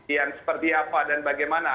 yang seperti apa dan bagaimana